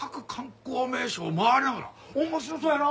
面白そうやな！